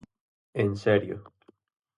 En serio.